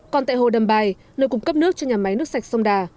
còn tại hồ đầm bài nơi cung cấp nước cho nhà máy nước sạch sông đà